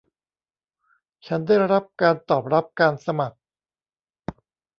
ฉันได้รับการตอบรับการสมัคร